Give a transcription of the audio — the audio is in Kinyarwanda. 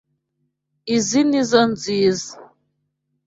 Izoi nizoo nziza.